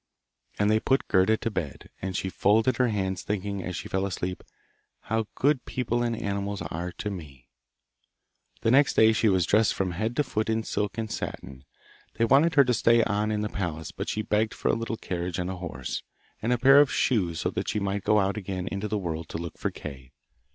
And they put Gerda to bed, and she folded her hands, thinking, as she fell asleep, 'How good people and animals are to me!' The next day she was dressed from head to foot in silk and satin. They wanted her to stay on in the palace, but she begged for a little carriage and a horse, and a pair of shoes so that she might go out again into the world to look for Kay.